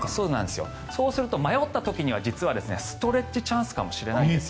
そうすると迷った時には実はストレッチチャンスかもしれません。